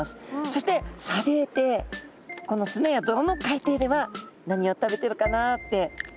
そして砂泥底この砂や泥の海底では何を食べてるかなって。